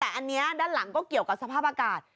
แต่อันนี้ด้านหลังก็เกี่ยวกับสภาพอากาศ